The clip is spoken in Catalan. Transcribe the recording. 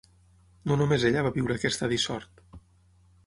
No només ella va viure aquesta dissort.